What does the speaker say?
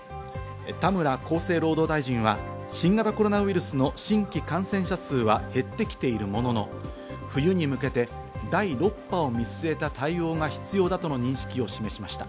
田村厚生労働大臣は新型コロナウイルスの新規感染者数は減ってきているものの、冬に向けて第６波を見据えた対応が必要だとの認識を示しました。